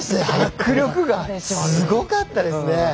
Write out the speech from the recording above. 迫力がすごかったですね。